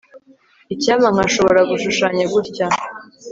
icyampa nkashobora gushushanya gutya